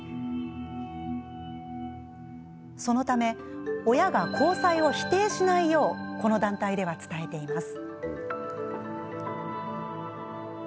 そのため親が交際を否定しないようこの団体では伝えています。